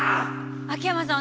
秋山さん